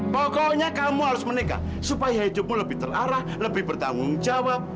pokoknya kamu harus menikah supaya hidupmu lebih terarah lebih bertanggung jawab